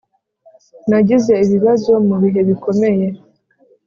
nagize ibibazo mubihe bikomeye,